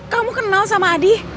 kamu kenal sama adi